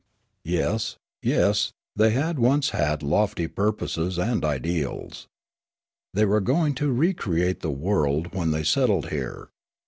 Yes, yes, they had once had lofty purposes and ideals. They were going to recreate the world when they settled here.